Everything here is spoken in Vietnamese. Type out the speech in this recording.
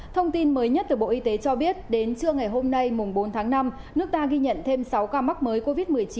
thông tin mới nhất từ bộ y tế cho biết đến trưa ngày hôm nay bốn tháng năm nước ta ghi nhận thêm sáu ca mắc mới covid một mươi chín